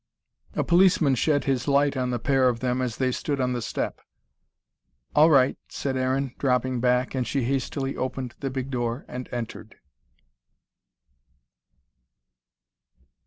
A policeman shed his light on the pair of them as they stood on the step. "All right," said Aaron, dropping back, and she hastily opened the big door, and entered.